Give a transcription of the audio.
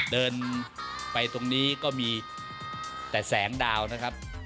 เดินไปตรงนี้ก็มีแต่แสงดาวนะครับ